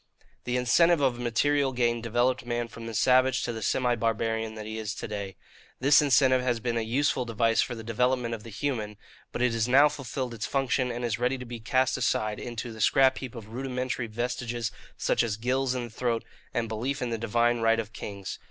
"The incentive of material gain developed man from the savage to the semi barbarian he is to day. This incentive has been a useful device for the development of the human; but it has now fulfilled its function and is ready to be cast aside into the scrap heap of rudimentary vestiges such as gills in the throat and belief in the divine right of kings.